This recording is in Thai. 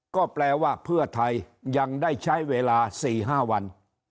ก็แปลว่าเพื่อไทยยังได้ใช้เวลา๔๕วัน